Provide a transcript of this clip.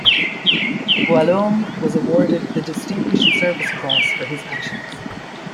Voillaume was awarded the Distinguished Service Cross for his actions.